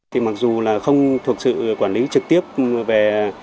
thì mặc dù là không thuộc sự quản lý trực tiếp về